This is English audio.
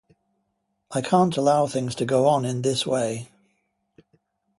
I can’t allow things to go on in this way.